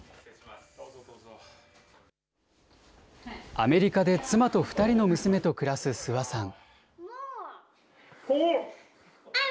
アメリカで妻と２人の娘と暮らす諏訪さん。